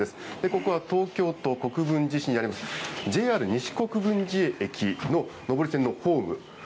ここは東京都国分寺市にあります、ＪＲ西国分寺駅の上り線のホーム。